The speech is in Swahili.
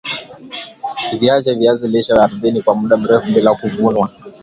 Usiviache viazi lishe ardhini kwa muda mrefu bila kuvunwa